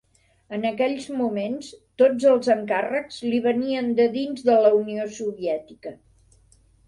En aquells moments, tots els encàrrecs li venien de dins de la Unió Soviètica.